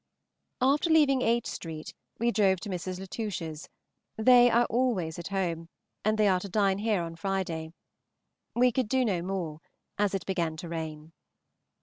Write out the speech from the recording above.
After leaving H. St. we drove to Mrs. Latouche's; they are always at home, and they are to dine here on Friday. We could do no more, as it began to rain.